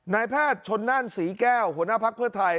นายแพทย์ชนนั่นศรีแก้วหัวหน้าภักดิ์เพื่อไทย